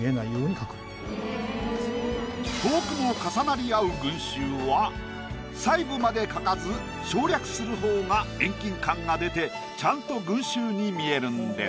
遠くの重なり合う群衆は細部まで描かず省略する方が遠近感が出てちゃんと群衆に見えるんです。